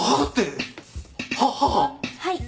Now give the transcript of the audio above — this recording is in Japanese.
はい。